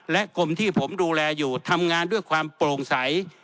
และกรมที่ผมดูแลอยู่ทำงานด้วยความโปร่งใส